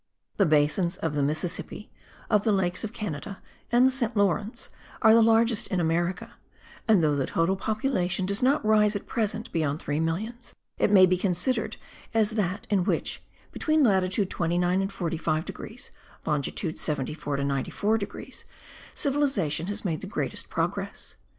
The basins of the Mississippi, of the lakes of Canada and the St. Lawrence, are the largest in America; and though the total population does not rise at present beyond three millions, it may be considered as that in which, between latitude 29 and 45 degrees (longitude 74 to 94 degrees), civilization has made the greatest progress.